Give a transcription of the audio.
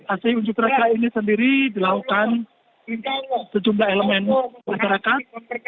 aksi unjuk rasa ini sendiri dilakukan sejumlah elemen masyarakat